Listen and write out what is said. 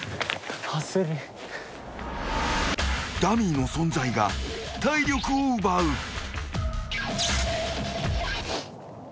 ［ダミーの存在が体力を奪う］